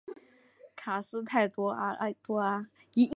卡斯泰德多阿。